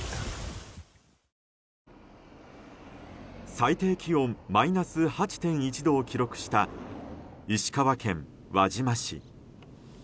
最低気温マイナス８．１度を記録した石川県輪島市。